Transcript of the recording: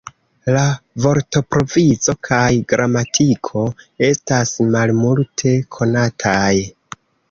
La vortprovizo kaj gramatiko estas malmulte konataj.